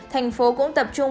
tp cũng tập trung